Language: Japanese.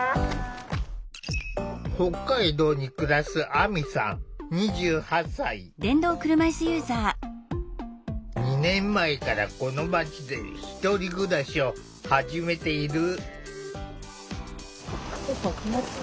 北海道に暮らす２年前からこの街で１人暮らしを始めている。